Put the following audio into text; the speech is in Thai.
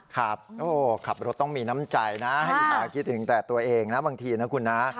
ขับรถต้องมีน้ำใจนะให้หาคิดถึงแต่ตัวเองนะบางทีนะคุณนะ